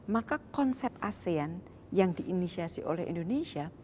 maka konsep asean yang diinisiasi oleh indonesia